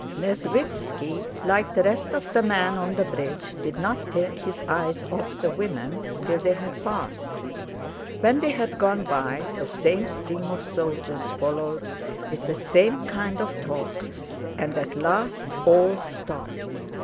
Nesvítski like the rest of the men on the bridge did not take his eyes off the women till they had passed. When they had gone by, the same stream of soldiers followed, with the same kind of talk, and at last all stopped.